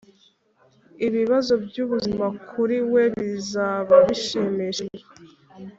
ibibazo byubuzima kuri we bizaba bishimishije